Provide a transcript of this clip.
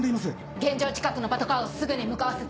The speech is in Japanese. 現場近くのパトカーをすぐに向かわせて。